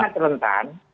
di tengah terentan